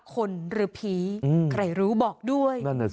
คนหรือผีใครรู้บอกด้วย